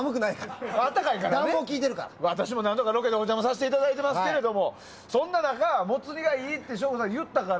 私も何度かロケでお邪魔させてもらってますけどそんな中、モツ煮がいいって省吾さんが言ったから。